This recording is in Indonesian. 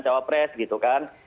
cawa pres gitu kan